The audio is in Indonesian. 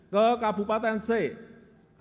ke kabupaten c eh ada